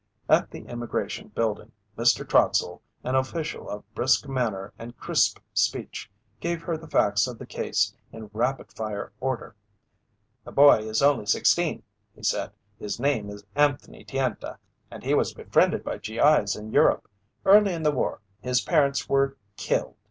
At the Immigration Building, Mr. Trotsell, an official of brisk manner and crisp speech, gave her the facts of the case in rapid fire order. "The boy is only sixteen," he said. "His name is Anthony Tienta and he was befriended by G.I.'s in Europe. Early in the war, his parents were killed.